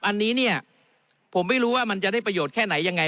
อันนี้เนี่ยผมไม่รู้ว่ามันจะได้ประโยชน์แค่ไหนยังไง